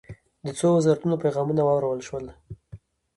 د څو وزارتونو پیغامونه واورل شول.